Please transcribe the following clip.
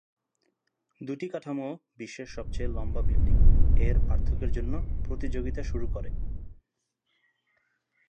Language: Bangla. দুটি কাঠামো "বিশ্বের সবচেয়ে লম্বা বিল্ডিং" এর পার্থক্যের জন্য প্রতিযোগিতা শুরু করে।